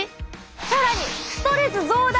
更にストレス増大！